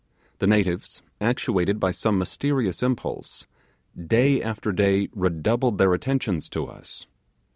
The natives, actuated by some mysterious impulse, day after day redoubled their attentions to us.